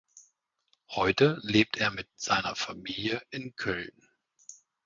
Heute lebt er mit seiner Familie in Köln.